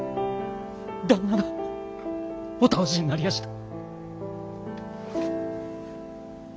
旦那がお倒しになりやした。